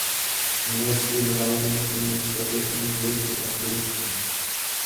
V minulosti hrál mimo Španělska též v Anglii a Turecku.